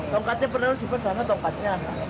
tongkatnya pernah disebut sana tongkatnya